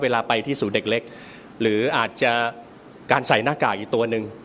เวลาไปที่ศูนย์เด็กเล็กหรืออาจจะการใส่หน้ากากอยู่ตัวหนึ่ง